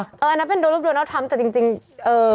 อันนั้นเป็นรูปโดนาทรัมแต่จริงเอ่อ